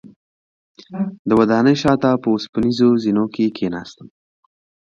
د ودانۍ شاته په اوسپنیزو زینو کې کیناستم.